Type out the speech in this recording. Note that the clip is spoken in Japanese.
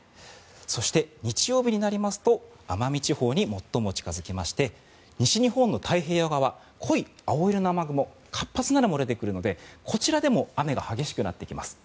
そして、日曜日になりますと奄美地方に最も近付きまして西日本の太平洋側濃い青色の雨雲活発なのも出てくるのでこちらでも雨が激しくなってきます。